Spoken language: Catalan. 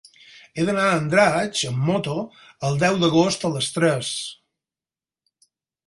He d'anar a Andratx amb moto el deu d'agost a les tres.